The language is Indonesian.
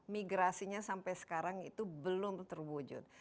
migrasinya sampai sekarang itu belum terwujud